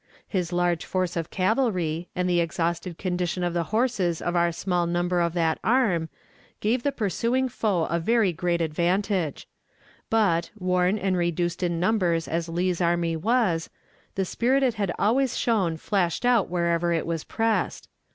His large force of cavalry, and the exhausted condition of the horses of our small number of that arm, gave the pursuing foe a very great advantage; but, worn and reduced in numbers as Lee's army was, the spirit it had always shown flashed out whenever it was pressed.